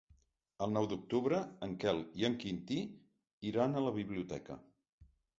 El nou d'octubre en Quel i en Quintí iran a la biblioteca.